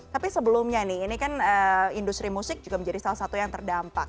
tapi sebelumnya nih ini kan industri musik juga menjadi salah satu yang terdampak